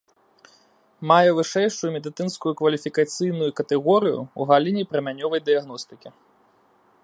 Мае вышэйшую медыцынскую кваліфікацыйную катэгорыю ў галіне прамянёвай дыягностыкі.